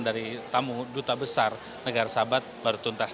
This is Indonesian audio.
dari tamu duta besar negara sahabat baru tuntas